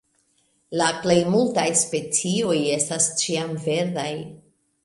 La plej multaj specioj estas ĉiamverdaj.